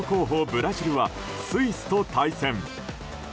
ブラジルはスイスと対戦。